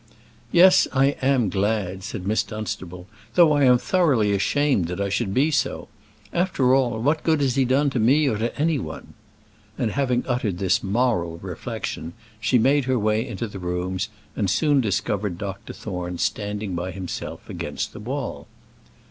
"Yes, I am glad," said Miss Dunstable, "though I am thoroughly ashamed that I should be so. After all, what good has he done to me or to any one?" And having uttered this moral reflection, she made her way into the rooms, and soon discovered Dr. Thorne standing by himself against the wall.